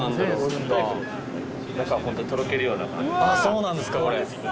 そうなんですかこれ。